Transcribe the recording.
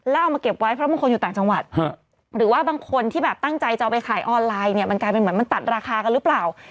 แล้วเอามาเก็บไว้เพราะบางคนอยู่ต่างจังหวัดหรือว่าบางคนที่แบบตั้งใจจะเอาไปขายออนไลน์เนี่ยมันกลายเป็นเหมือนมันตัดราคากันหรือเปล่า